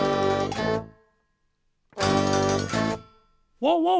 ワンワン！